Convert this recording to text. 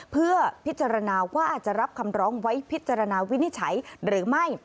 เพื่อพิจารณาว่าจะรับคำร้องไว้พิจารณาวินิจฉัยหรือไม่